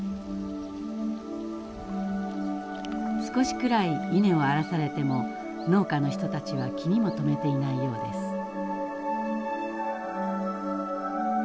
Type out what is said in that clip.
少しくらい稲を荒らされても農家の人たちは気にもとめていないようです。